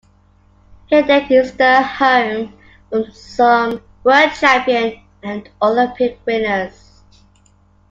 Herdecke is the home of some world champion and Olympic winners.